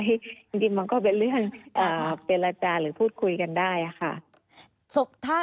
จริงมันก็เป็นเรื่องเจรจาหรือพูดคุยกันได้ค่ะ